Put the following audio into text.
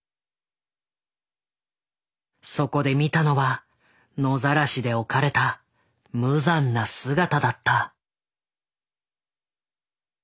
そこで見たのは野ざらしで置かれた無残な姿だった。